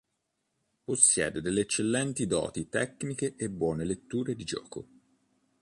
Possiede delle eccellenti doti tecniche e buone letture di gioco.